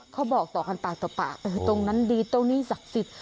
เขาบอกต่อกันปากต่อปากตรงนั้นดีตรงนี้ศักดิ์สิทธิ